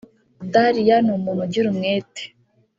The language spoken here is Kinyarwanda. Dalia ni umuntu ugira umwete